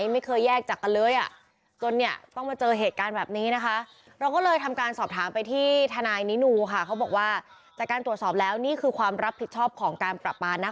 บวกว่าจะรีบดำเนินการให้เร็วทีสุดนะคะ